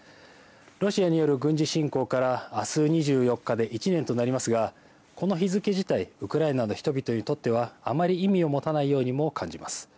ロシアによる軍事侵攻からあす２４日で１年となりますが、この日付自体、ウクライナの人々にとっては、あまり意味を持たないようにも感じます。